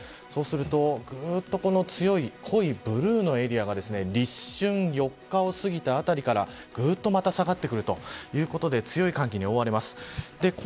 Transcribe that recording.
そうすると濃いブルーのエリアが立春、４日を過ぎたあたりからぐっとまた下がってくるということで強い寒気に覆われます。